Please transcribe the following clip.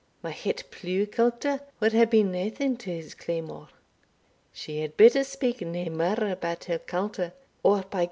my het pleugh culter wad hae been naething to his claymore." "She had better speak nae mair about her culter, or, by G